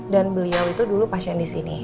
dan beliau itu dulu pasien disini